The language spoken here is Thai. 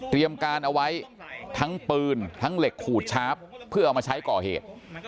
การเอาไว้ทั้งปืนทั้งเหล็กขูดชาร์ฟเพื่อเอามาใช้ก่อเหตุ